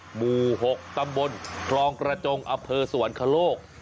หมู่๖ตำบลคลองกระจงอเภอสวรรคโลก